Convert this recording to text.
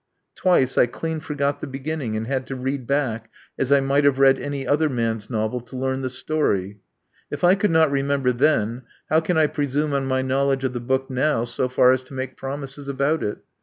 Twice I clean forgot the beginning, and had to read back, as I might have read any other man's novel, to learn the story. If I could not renjem ber then, how can I presume on my knowledge of the book now so far as to make promises about it?